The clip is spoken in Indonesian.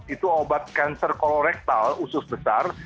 itu obat cancer kolorektal usus besar